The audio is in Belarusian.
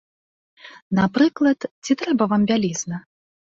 Напрыклад, ці трэба вам бялізна!